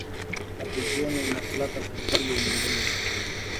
Ma pigeon inakulaka pilipili mingingi